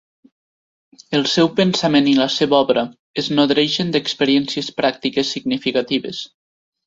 El seu pensament i la seva obra es nodreixen d'experiències pràctiques significatives.